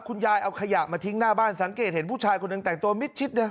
คุณยายเอาขยะมาทิ้งหน้าบ้านสังเกตเห็นผู้ชายคนหนึ่งแต่งตัวมิดชิดเลย